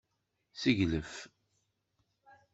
Seglef.